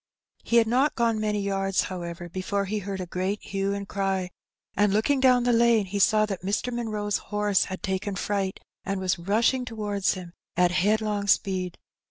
He had not gone many yards, however, before he heard a great hue and cry, and, looking down the lane, he saw that Mr. Munroe's horse had taken fright, and was rushing towards him at headlong speed.